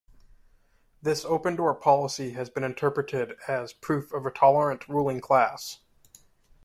This open-door policy has been interpreted as proof of a tolerant ruling class.